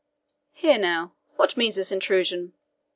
How now! what means this intrusion?"